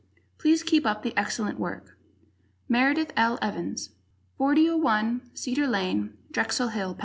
Please keep up the excellent work. Meredith L. Evons, 4001 Cedar Lane, Drexel Hill, Pa.